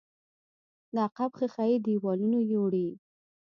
د عقب ښيښې دېوالونو يوړې.